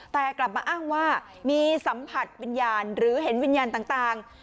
แต่กลับมาอ้างว่ามีสัมผัสวิญญาณหรือเห็นวิญญาณต่าง